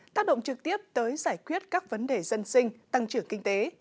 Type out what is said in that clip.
tác động trực tiếp tới giải quyết các vấn đề dân sinh tăng trưởng kinh tế